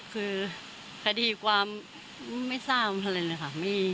คือคดีความไม่ทราบอะไรเลยค่ะ